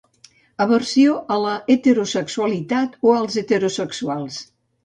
Aversió a l’heterosexualitat o als heterosexuals.